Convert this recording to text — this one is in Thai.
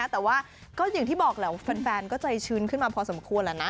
แต่ว่าก็อย่างที่บอกแหละแฟนก็ใจชื้นขึ้นมาพอสมควรแล้วนะ